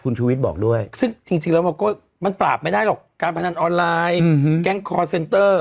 คุณชูวิทย์บอกด้วยซึ่งจริงแล้วมันก็มันปราบไม่ได้หรอกการพนันออนไลน์แก๊งคอร์เซนเตอร์